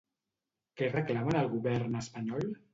Què reclamen al govern espanyol?